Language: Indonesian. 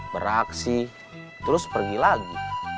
beraksi terus pergi lagi